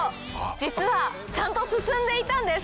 実はちゃんと進んでいたんです！